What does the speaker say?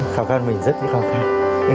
khó khăn mình rất là khó khăn